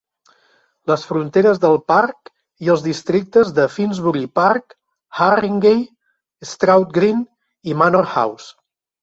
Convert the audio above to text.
Les fronteres del parc i els districtes de Finsbury Park, Harringay, Stroud Green i Manor House.